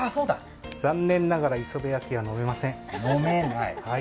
残念ながら磯辺焼きは飲めません。